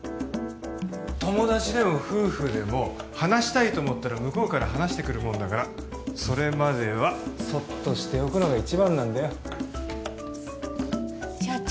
友達でも夫婦でも話したいと思ったら向こうから話してくるもんだからそれまではそっとしておくのが一番なんだよ社長